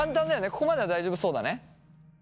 ここまでは大丈夫そうだね？